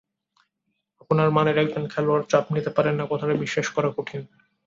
আপনার মানের একজন খেলোয়াড় চাপ নিতে পারেন না, কথাটা বিশ্বাস করা কঠিন।